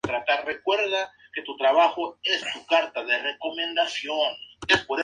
Alineaciones del último partido